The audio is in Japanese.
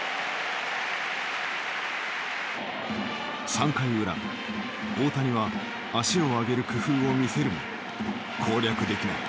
３回裏大谷は足を上げる工夫を見せるも攻略できない。